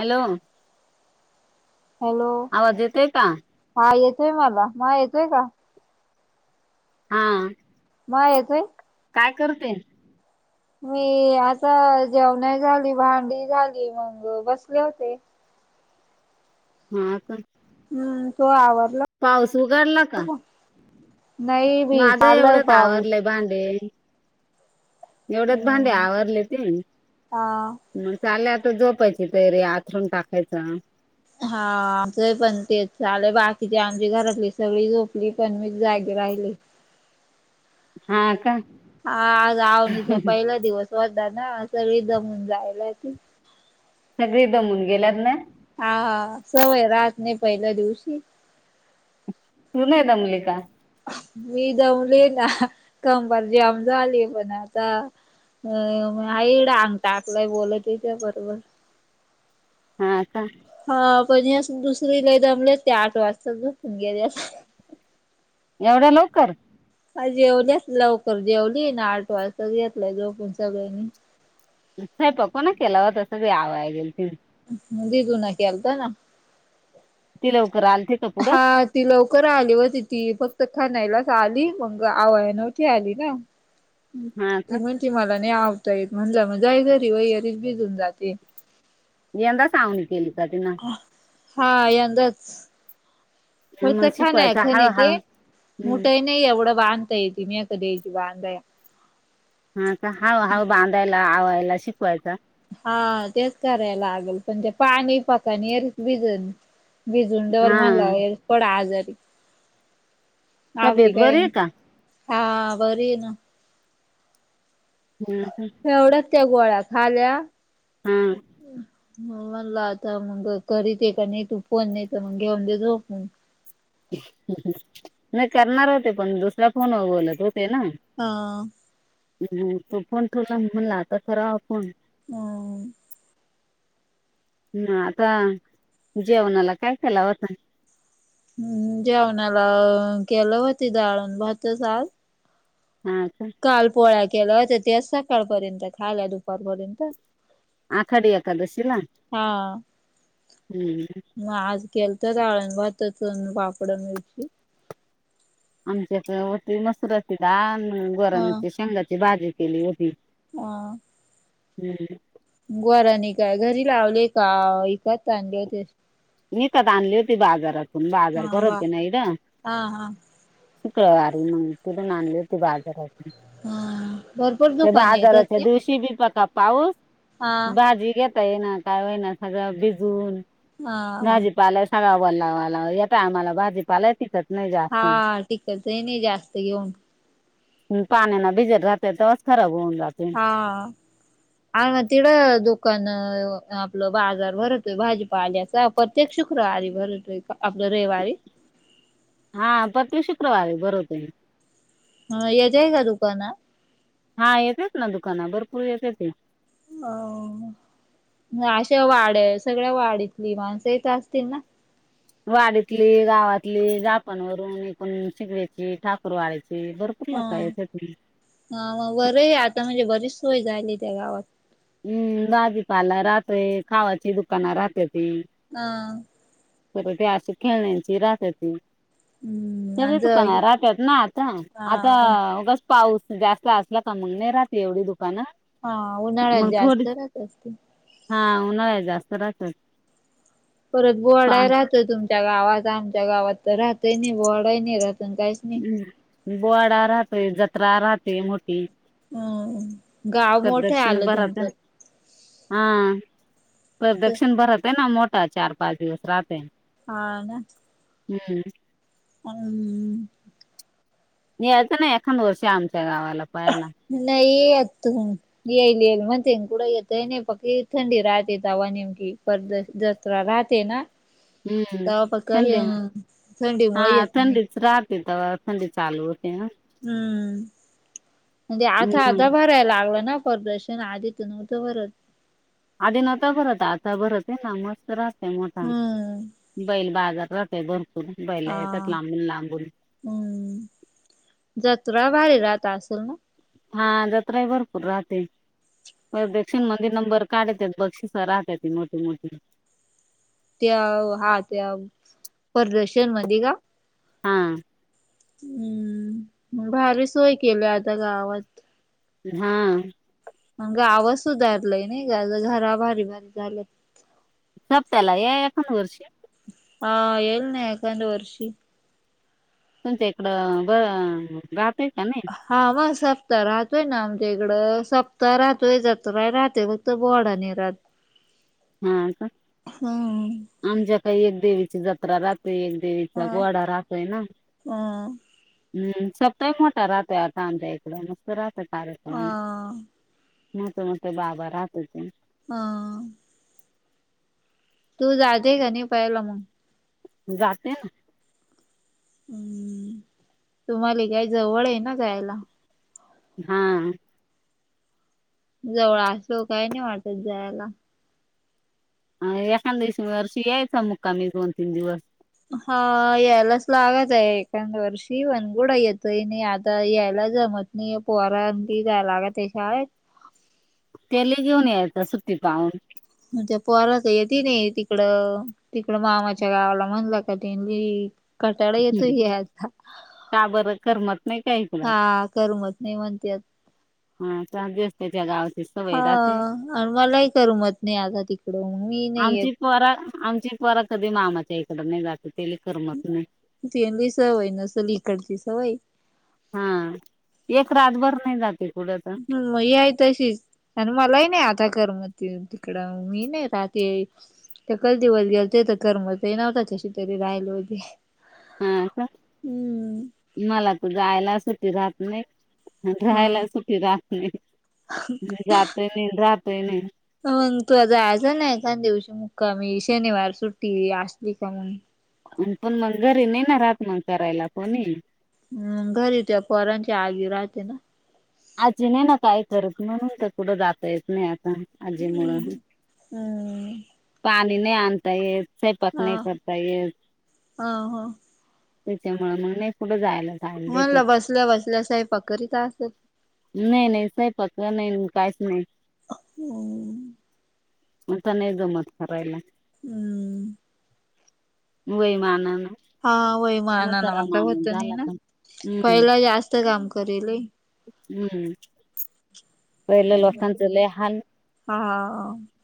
Hello!.. hello आवाज येतय का? हा येतोय मला, हा येतोय का? हा.. हा येतोय? काय करते? मी.. आता जेवन झाली, भांडी झाली.. मग बसले होते. हा.. का हम्म.. तू आवरल? पाऊस उघडला का? नाही बी माझं चाललाय एवढ्यात पाऊस आवरलेत. भांडे.. एवढ्यात भांडे हम्म आवरले ती हा मग चाले झोपायची तयारी आथरून टाकायचं. हा.. आमच पण तेच झाले बाकीचे आमची घरातले सगळी झोपली पण मी जागी राहिले. हा का हा.. आज आवणीचा पहिला दिवस होता ना सगळी दमुन जायला ती सगळी दमून गेल्यात ना? हा.. हा.. सवय रात नाही पहिल्या दिवशी तू नाही दमली का? मी दमली ना.. ह्.. कंबर ज्याम झाली पण आता अ.. म. आईन अंग टाकलय बोलत होती बरोबर हा.. का हा.. पण अस दुसरी लई दमले ते आठ वाजता झोपून गेले असते. एवढ्या लवकर आज जेवलेच लवकर जेवली ना आठ वाजता घेतलाय झोपुन सगळ्यांनी. स्वयंपाक कोणा ना केला होता सगळे आवाय गेल ती. दीदु न केलत ना. ती लवकर आलती का पुढं? हा ती लवकर आली होती.. ती फक्त खानायलाच आली मग आवया नवती आली ना. ह ती म्हणती मला नाही आवता येत, म्हणलं मग जाय घरी [inaudible] घेऊन जाते. यंदा सावणी केली का तिनं? हा.. यंदाच फक्त मग खान आहे शिकवायचं खण ते हळूहळू हम्म मोठई नाही एवढं बांधता येते मी ए की याची बांधाया. हा.. का, हळू- हळू बांधायला आवायला शिकवायचा. हा.. तेच करायला लागेल पण ते पाणी पकानीरी भिजल. भिजून ठेवल हा म्हणलं [inaudible] पड आजारी. तब्येत आपली बरी काय..... आहे का हा बरी आहे ना हा.. हा.. एवढ्यात त्या गोळ्या खाल्या. हा मग म्हणला आता मग करीत का नाही तू फोन नाही तर मग घेऊन दे झोपून. ह्म्म्.. ह्म्म्.. नाही करणार होते पण दुसऱ्या फोनवर बोलत होते ना. हा.. ह्म्म्.. तो फोन ठुला अन म्हणल आता करावा फोन हा.. ह्म्म्म... आता जेवणाला काय केला होता? हम् जेवणाला केलं होती डाळ अन आज. हा का? काल पोळ्या केला तर ते सकाळपर्यंत खायल्या दुपारपर्यंत. आखाडी एकादशीला हा. हम्म. मग आज केलत डाळ ण भात पापडा मिरची. [unintelligible] अन त्याच्यावरती मस्तपैकी डाळ अन हा. वरण शेंगांची भाजी केली होती. हा. हमम. [unintelligible] विकत चांगले [unintelligible] मीकत आणली होती बाजारातून बाजार हा वा भरते नाही ईकड. हा हा शिकळ वारी मग ति पून आणली होती बाजारातून हा भरपूर [unintelligible] ते दुकान आहेत बाजाराच्या त्याचे? दिवशी बि पका पाऊस हा भाजी घेत ता ये ना काय व्हयीना सगळं भिजून हा भाजीपाला सगळा वला वला येत आम्हाला भाजीपाला टिकत नाही जा हा ठीकतही नाही जास्त घेऊन. हम पाण्याना बिजत राहते तेव्हाच खराब होऊन जाते. हा. आणि ना तिड दुकान आपलं बाजार भरतोय भाजीपाल्याचा तेक शुक्रवारी भरतोय आपलं रविवारी. हा प्रत्येक शुक्रवारी भरवतोय [unintelligible] दुकानात? हा येतेत ना दुकानात भरपूर येतेत. अ अशा वाढ्या सगळ्या वाढतली माणसंही येत असतील ना? वाडीतली गावातली जापांवरून एकूण शिग्याची ठाकूर वाढायची बर हा हा बर आता म्हणजे बरीच सोय झाली त्या गावात. हम्म बाजीपाला राहतय खावाची दुकान राहत्याती. हा. तर ते अस खेळण्याची राहत्याती. हम्म आणि [unintelligible] जळ पाऊस हा जास्त असला का मग नाही राहात एवढी दुकानं. हा उन्हाळात मग थोडी जास्त राहत असतील. हा उन्हाळ्यात जास्त राहत्यात. परत बोहाडाय राहतोय तुमच्या गावात आमच्या गावात तर राहतय नाही बोडाय नाही राहत काही [unintelligible] ह् बोवाडा राहतेय जत्रा राहतेय मोठी. हम गाव कोठे प्रदक्षिण आलं भरत तुमचं? हा तर प्रदक्षिण भरत आहे ना मोठा चार पाच दिवस राहतय. हा ना? हम्म. ह्म [unintelligible] यायच नाही एखाद वर्षी आमच्या गावाला पाहायला. नाही येत तुमी. येईल येईल म्हणते कुठं येत नाही पक्की थंडी राहते तवा नेमकी पद्धत राहते ना? हम्म तवा फक्त थंडी हा थंडीमुळे येत नाही. थंडीच रा तित थंडी चालू होते ना? हम्म म्हणजे आता मग आधा भरायला लागला ना. परर्दर्शन आदी च नव्हतं बरं. आधी नव्हतं भरत आता भरत आहे ना, मस्त राहते मोठा हम्म बैल बाजार भरपूर बैला हा. येतात लांबून- लांबून. हम्म जतरा भारी राहता असेल ना. हा जत्रा ही भरपूर राहते. प्रदर्शन मध्ये नंबर काढतेत बक्षिस राहतात मोठी मोठी. त्या हा त्या प्रदर्शन मध्ये का. हा हम्म मग भारी सोय केली आता गावात. हां मण गाव च सुधारलाय नाही ग घरा भारी झालंय. सप्ताला ए एण करस [inaudible] हा येईल ना एकांद वर्षी. तुमच्या इकडं बरं जात आहे का नाही. हा मग सप्ताह राहतोय ना, आमच्या इकडं सप्ताह राहतोय जत्रा राहते मग. फक्त घोडा नाही राहतं. हा का हम्म. आमच्या काही एक देवीची जत्रा राहते. एक देवीचा हा. घोडा राहतोय ना. हा. हम्म सप्ताहिक मोठा राहतोय आता आच्या इकडं मस्त राहतय कार्यक्रम. हा मोठे मोठे बाबा राहतेत. हां तू जाते क नाही पाहिलं मग. जाते ना. हम्म तुम्हाला काय जवळ आहे ना जायला. हा जवळ असं काही नाही वाटत जायला. अ एखाद दिवस वर्षी यायचा मुक्कामी दोन तीन दिवस. हा यायलाच लागत आहे एखद वर्षी वनगुडा येतय आणि आता यायला जमत. नाही पोहरा की काय लागतं [inaudible] तेले घेऊन यायचं सुट्ट पाहून. मग त्या पोहारच य ति नाही तिकडं. तिकडं मामाच्या म्हणलं त कटाळा येतोय यायचा. का बरं करमत नाही का इकडं. हा करमत नाही म्हणत्यात हा [unintelligible] दि असयच्या गावचं हा आणि मलाही करमत नाही आता तिकड म मी नाही येत. आमची पोरा आमची पोरं कधी मामाच्या इकडं नाही जाते ते करमत नाही. तनली सवय नसली कडची सवय हा एक रातभर नाही जाते कुढंच मग या तशीच आणि मलाही नाही आता करमत तिकडं मी नाही रात एकाच दिवस गेलते तर करमत ही नव्हत कशी तरी राहिले होते. हा का हम्म मला तू जायला सुट्टी राहत नाही. ह राहायला सुट्टी राहात नाही जात हि नाही राहत हि नाही. मग तू जायचं नायी का येकान दिवशी मुक्कामी शनिवार सुट्टी असली का म्हण. अन पण मग घरी नाही ना रात मग करायला कोणी. हम् घरी त्या पोरांच्या आई राहते ना. आजी नाही ना काय करत म्हणून तर कुढं जाता येत नाही आजी मुळ, हम्म पाणी नाही आणता येत. स्वयंपाक हा नाही करता येत, हा हा त्याच्यामुळ मग नाही कुठं जायला जायला देत म्हणलं बसल्या बसल्या स्वयंपाक करीत असत. नाही नाही स्वयंपाकच नाही न काहीच नाही. हम्. मनता नाई जमत करायला. हम्म. वय मानान हा वय मानान आता होत नाही ना का हम्म पहिला जास्त काम करीले. हम्म. पहिलं लोकांचं लय हाल, हा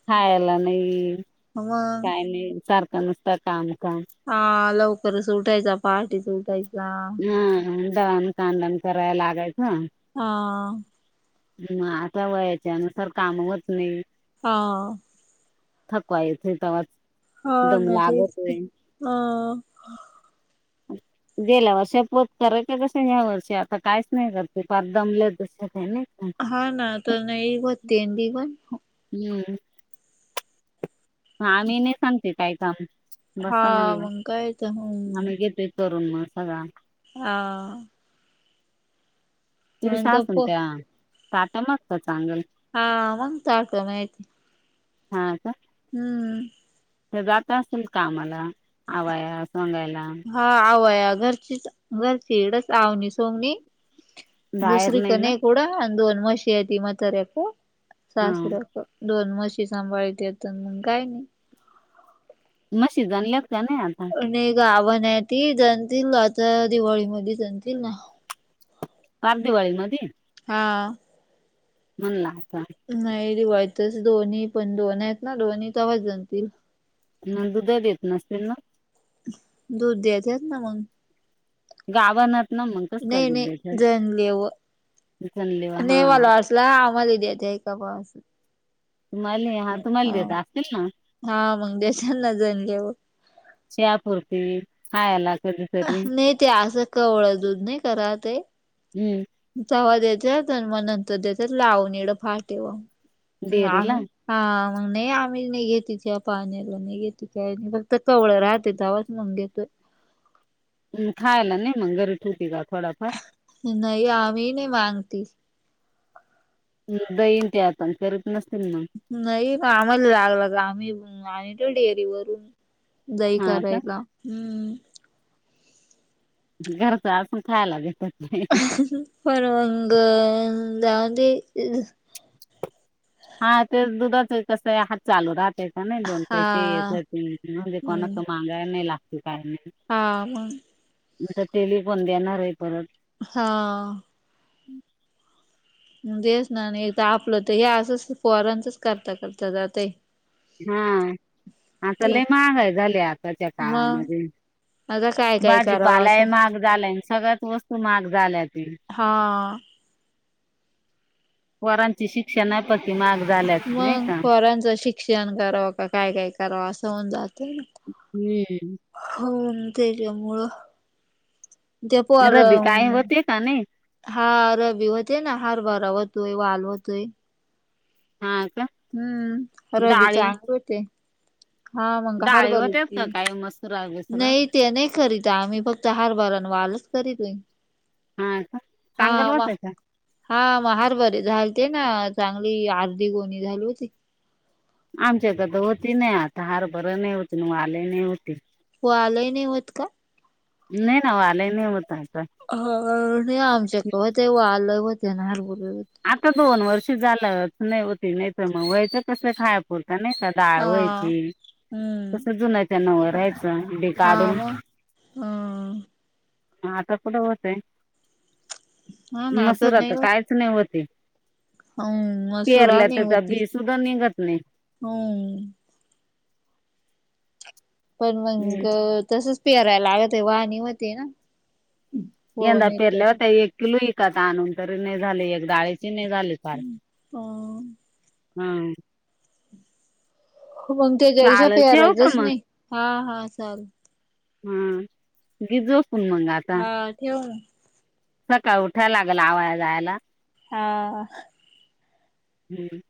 खायला नाही मग काय नाही सारखं नुसत काम काम हा लवकरच उटायचा पहाटीच उटायचा. अन दळन कांडन कराय लागायचं. हा. म आता वयाच्यानुसार काम व्हतं नाही. हा. थकवा येथे तेवाच हा दम ना तेच तर. लागतय अ. [unintelligible] गेल्या वर्ष पोत कराय क कस या वर्षी आता काहीच नाही करत फार दमलं तस का नाही का? हा ना तर नाही होते ती पण. हम्म. ह आम्ही नाही सांगते काय काम, हा बस म्हणल मग काय तर हम् आम्ही घेतोय करून मग सगळा हा. दिवसा म्हणत असून प त्या ताटा मगता चांगल हा मन ताक माहिती. हां का? हम्म. तर जात असतील कामाला आवया सांगायला. हा आवया घरचीच, घरची इड च आवनी सोमनी. बाहेर दुसरी नाही ना कने कुड अन दोन मशी यती मतार्याक हा सासर्याक. दोन मशी सांभाळतेेत आन मग काय गाही. म्हशी जमलेत का नाही आता? आणि गाबन ये ती जणतील आता दिवाळी मधी जणतील ना वो. [unintelligible] दिवाळी मधी. हां. म्हणला आता. नाही दिवाळीतच दोन्ही पण दोन आहेत ना दोन्ही त वजन दिल. नंदू ताई देत नसतील. दूध दचेत ना मग. नाही नाही जणले व [inaudible] ला आम्हाला देत्यात का [unintelligible] तुम्हाले हा तुम्हाले देत असतील ना. हा मग द्याच्याना जणल्यावर चहापूर्ती खायला. कधीतरी नाही ते असं कवळं दूध नाही का राते हम्म. चव्हा देत्यात आणि मग नंतर त्याच्यात लावून एवढं फाटेव, डेअरीला आम्ही हा मग नाही आम्ही नाही घेत, पाहण्याला नाही घेत काय नाही, फक्त कवळं राहते तवा मंगे देतोय. खायला नाही मंग घरी ठिवती होती का थोडाफार.? नाही आम्ही नाही मांगती दईन ते आता करीत नसतील मग. नाही, प आम्हाला लागला तर आम्ही आणीतो डेअरी वरून. दही हा का करायला, हम्म. घरचं असून खायला भेटत नाही. [unintelligible] हा ते दुधाच कसं, हात चालू राहते नाही दोन हा पैसे येत राते, म्हणजे कोणाच हम्म मागायला नाही लागते काही नाही. हा मंग. आता तेलेपण देणार आहे परत. हां. तेच ना, एक तर आपलं तर हे असं पोरांचच करता करता जातय. हा, आता लय महागाय झाली आताच्या काळामध्ये. अग काय काय करावं भाजीपाला ही असं म्हाग झालाय, अन सगळ्याच गोष्टी महाग झाल्याती. हां. पोरांची शिक्षनं पती माग मग पोरांचं शिक्षण करावं का काय काय करावं, असं हून जातय. हम्म. होय त्यच्यामुळं त्या पोर रबी काय होते का नाही हा रबी होते ना, हारबरा होतोय वाल होतोय. हा का. हम्म, रबी डाळी चांग होते. हां मंग डाळी हरबरे होत्यात ईकती, का काय मसुरा बिसुरा नाई ते नाही करीत आम्ही, फक्त हारभरान वालच करीतोय. हा का हा चांगलं वा होतं का हा मंग हरबरे झालते ना, चांगली अर्धी गोणी झाली होती‌. आमच्यात तर होतयी नाही आता, हारभरही नाही होती अन वालही नाही होती. वालही नाही होत का? नाही ना, वालही नाही होत आता. हां, नाही आमच्याकडं होते, वालही होते न हरभरे ही होते. आता दोन वर्ष झालं होत नाही,, होते नाही तर मग वयच कसं खाया पुुरत नाही का. डाळ हा व्हायची, हम्म कसं जुन त्या नवं राहायचं, बी हा काढून का.. हं. आता कुठं होतय, हा ना आता मसूरा नाही तर होत कायच नाही होते. हम्म मसुरा पेरल्या नाही त्याचा होती. बी सुद्धा निघत नाही. हम्म. पण मंग हम्म. तसच पेरायला लागत आहे वाहनी मती ना. हो यंदा नाही तर पेरल्यावरता एक किलो विकात आणनून तरी नाही झाले एक जाळी. तिनी झाली फार ह हा. मग त्याच्यापेक्षा चालेल ठेवू का पेरवायचंच मग नाही हा हा चाल. हा गिजो पण मंगाआ हा ठेव ना. सकाळ उठायला लागल आवाया जायला. हा. हम्म.